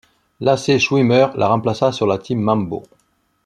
Lacey Schwimmer la remplaça sur la team mambo.